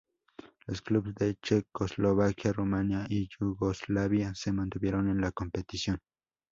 Los clubes de Checoslovaquia, Rumania y Yugoslavia se mantuvieron en la competición.